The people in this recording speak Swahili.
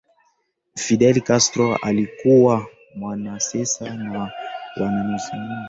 Fidel Castro alikuwa mwanasiasa na mwanamapinduzi aliyeamini